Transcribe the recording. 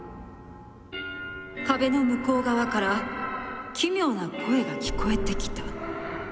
「壁の向こう側から奇妙な声が聞こえてきた。